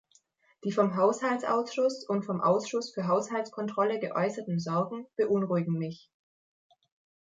Die vom Haushaltsausschuss und vom Ausschuss für Haushaltskontrolle geäußerten Sorgen beunruhigen mich.